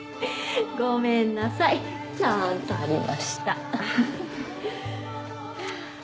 ごめんなさいちゃんとありました。